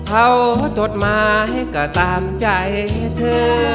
เอาจดหมายก็ตามใจเธอ